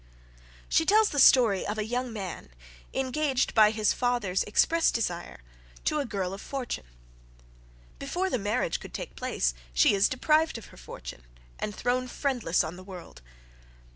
She tells a story of a young man engaged by his father's express desire to a girl of fortune. Before the marriage could take place she is deprived of her fortune, and thrown friendless on the world.